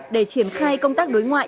để triển khai công tác đối ngoại